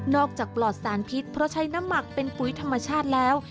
จากปลอดสารพิษเพราะใช้น้ำหมักเป็นปุ๋ยธรรมชาติแล้ว